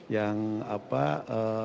yang apa kita menggunakan